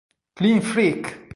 Clean Freak!